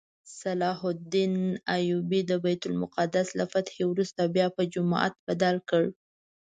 صلاح الدین ایوبي د بیت المقدس له فتحې وروسته بیا په جومات بدل کړ.